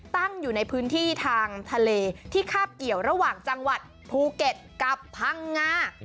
ตั้งอยู่ในพื้นที่ทางทะเลที่คาบเกี่ยวระหว่างจังหวัดภูเก็ตกับพังงา